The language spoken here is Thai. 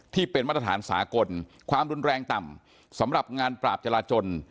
ที่เป็นมาตรฐานสากลความรุนแรงต่ำสำหรับงานปราบจราจน